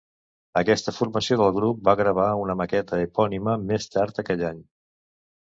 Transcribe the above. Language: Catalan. Aquesta formació del grup va gravar una maqueta epònima més tard aquell any.